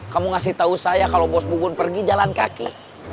kamu ngasih tahu saya kalau bos bubun pergi jalan kaki